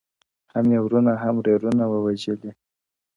هم یې وروڼه هم ورېرونه وه وژلي؛